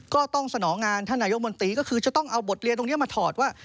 ก็ต้องสนองงานท่านนายกมนตรีก็คือจะต้องเอาบทเรียนตรงนี้มาถอดว่า